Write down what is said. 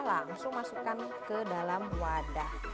langsung masukkan ke dalam wadah